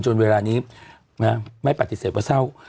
เวลานี้ไม่ปฏิเสธว่าเศร้า